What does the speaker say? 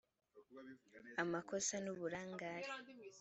amakosa n uburangare